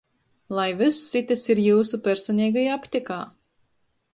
Lai vyss itys ir jiusu personeigajā aptekā!